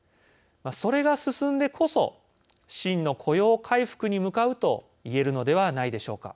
それが進んでこそ真の雇用回復に向かうと言えるのではないでしょうか。